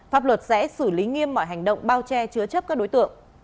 pháp luật sẽ xử lý nghiêm mọi hành động bao che chứa chấp các đối tượng